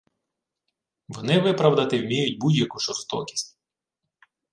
Вони виправдати вміють будь-яку жорстокість